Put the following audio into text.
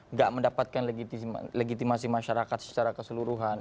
nggak mendapatkan legitimasi masyarakat secara keseluruhan